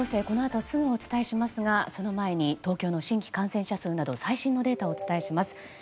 このあとすぐお伝えしますがその前に東京の新規感染者数など最新のデータをお伝えします。